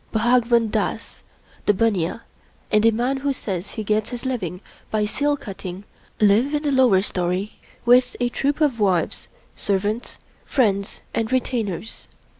Bhagwan Dass, the bunnia, and a man who says he gets his living by seal cutting live in the lower story with a troop of wives, serv ants, friends, and retainers.